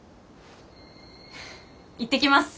いってきます！